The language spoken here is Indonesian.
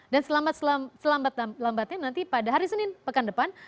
dan selambat selambatnya nanti pada hari senin pekan depan